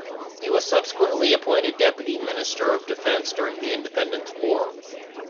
He was subsequently appointed Deputy Minister of Defense during the Independence War.